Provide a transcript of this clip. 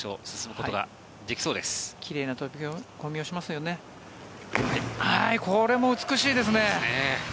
これも美しいですね。